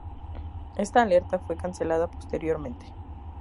Esta alerta fue cancelada posteriormente.